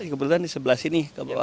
kebetulan di sebelah sini